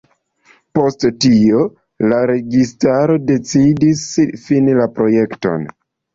Post tio, la registaro decidis fini la projekton.